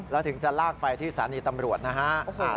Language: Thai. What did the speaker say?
แล้วถึงจะลากไปที่สถานีตำรวจนะฮะ